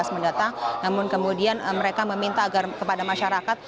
mendatang namun kemudian mereka meminta agar kepada masyarakat